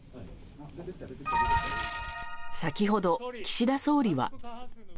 先ほど、岸田総理は。